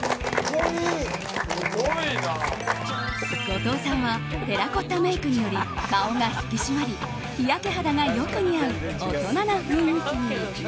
後藤さんはテラコッタメイクにより顔が引き締まり、日焼け肌がよく似合う大人な雰囲気に。